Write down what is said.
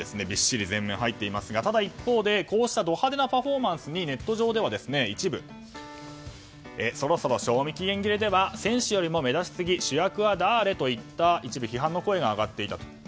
びっしり全面入っていますがただ一方で、こうしたド派手なパフォーマンスにネットでは一部そろそろ賞味期限切れでは選手より目立ちすぎ主役は誰？といった一部、批判の声が上がっていたと。